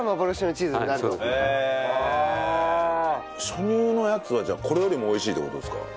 初乳のやつはじゃあこれよりも美味しいって事ですか？